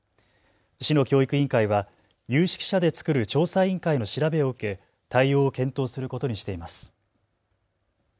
市の教育委員会は有識者で作る調査委員会の調べを受け対応を検討することにしています。